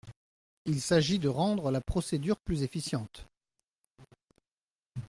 Il s’agit de rendre la procédure plus efficiente.